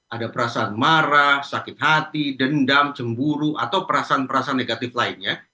ada perasaan marah sakit hati dendam cemburu atau perasaan perasaan negatif lainnya